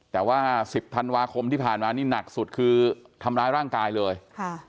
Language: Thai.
แต่ว่าสิบธันวาคมที่ผ่านมานี่หนักสุดคือทำร้ายร่างกายเลยค่ะ